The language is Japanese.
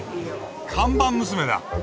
「看板娘」だ。